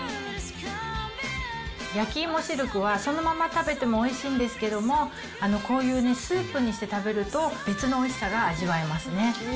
焼き芋しるくは、そのまま食べてもおいしいんですけども、こういうスープにして食べると、別のおいしさが味わえますね。